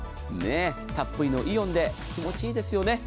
たっぷりのイオンで気持ちいいですよね。